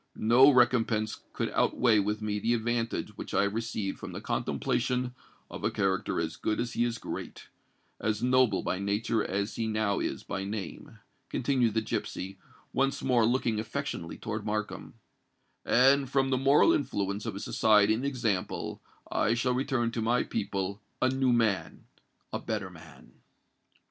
No recompense could outweigh with me the advantage which I have received from the contemplation of a character as good as he is great—as noble by nature as he now is by name," continued the gipsy, once more looking affectionately towards Markham;—"and, from the moral influence of his society and example, I shall return to my people a new man—a better man!"